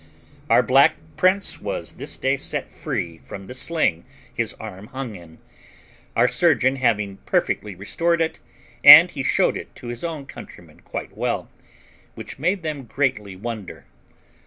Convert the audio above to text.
Our black prince was this day set free from the sling his arm hung in, our surgeon having perfectly restored it, and he showed it to his own countrymen quite well, which made them greatly wonder.